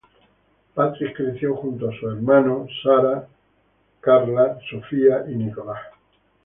Patrick creció junto a sus hermanos, Sara, Charlotte, Sophie y Nicholas.